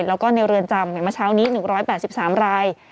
แล้วก็ในเรือนจำเห็นมาเช้านี้หนึ่งร้อยแบบสิบสามราย